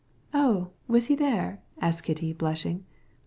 "Oh, was he there?" asked Kitty, blushing.